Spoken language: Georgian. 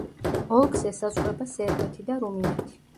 ოლქს ესაზღვრება სერბეთი და რუმინეთი.